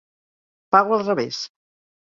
Pago al revés.